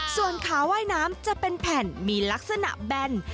ส่วนขาว่ายน้ำจะเป็นแผ่นมีลักษณะแบน